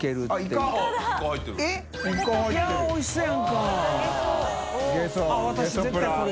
いい諭おいしそう。